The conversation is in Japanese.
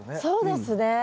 そうですね。